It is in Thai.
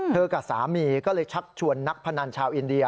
กับสามีก็เลยชักชวนนักพนันชาวอินเดีย